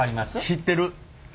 知ってる。